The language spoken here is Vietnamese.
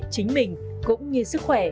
chính mình cũng như sức khỏe